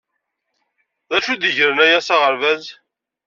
D acu i d yegren aya s aɣerbaz?